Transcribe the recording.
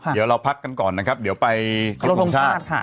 เดี๋ยวเราพักกันก่อนนะครับเดี๋ยวไปครบทรงชาติ